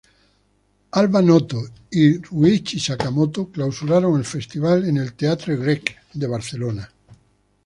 Alva Noto y Ryuichi Sakamoto clausuraron el festival en el Teatre Grec de Barcelona.